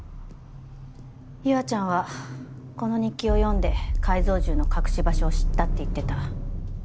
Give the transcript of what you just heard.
優愛ちゃんはこの日記を読んで改造銃の隠し場所を知ったって言ってた。